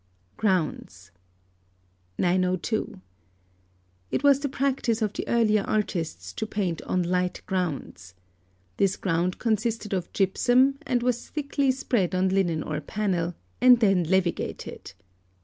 GROUNDS. 902. It was the practice of the earlier artists to paint on light grounds. This ground consisted of gypsum, and was thickly spread on linen or panel, and then levigated.